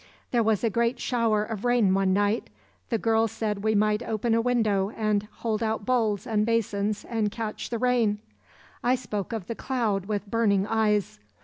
"There was a great shower of rain one night. The girl said we might open a window and hold out bowls and basins and catch the rain. I spoke of the cloud with burning eyes.